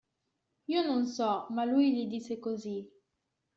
Io non so, ma lui gli disse così.